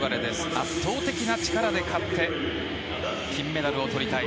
圧倒的な力で勝って金メダルをとりたい。